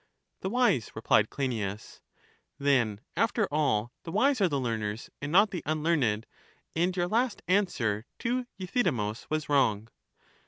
The wise, replied Cleinias. Then after all the wise are the learners and not the unlearned ; and your last answer to Euthydemus was wrong.